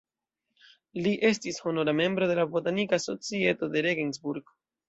Li estis honora membro de la Botanika Societo de Regensburg.